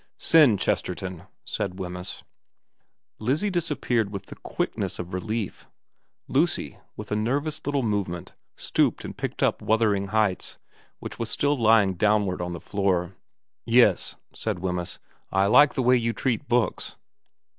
' Send Chesterton,' said Wemyss. Lizzie disappeared with the quickness of relief. Lucy, with a nervous little movement, stooped and picked up Wuthering Heights, which was still lying face downward on the floor. ' Yes,' said Wemyss. ' I like the way you treat books.'